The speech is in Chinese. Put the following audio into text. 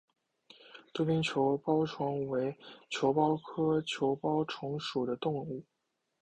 杜宾球孢虫为球孢科球孢虫属的动物。